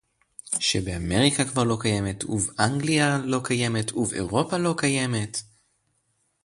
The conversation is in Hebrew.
שבאמריקה כבר לא קיימת ובאנגליה לא קיימת ובאירופה לא קיימת